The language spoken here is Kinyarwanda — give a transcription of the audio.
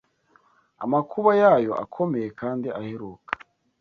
amakuba yayo akomeye kandi aheruka